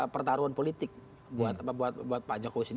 pertaruhan politik buat pak joko widjina